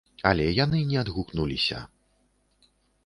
Але яны не адгукнуліся.